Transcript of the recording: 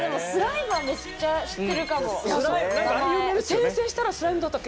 「転生したらスライムだった件」